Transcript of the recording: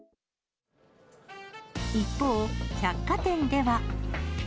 一方、百貨店では。